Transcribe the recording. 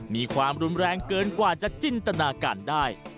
มีความรุนแรงเกินกว่าจะจินตนาการได้